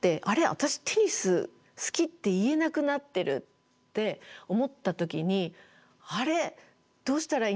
私テニス好きって言えなくなってる」って思った時にあれどうしたらいいんだろう？